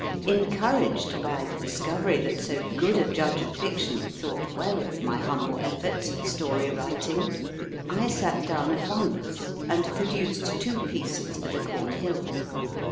Encouraged by the dis covery that so good a judge of fiction thought well of my humble efforts at story writing, I sat down at once and produced two pieces for the Cornhill.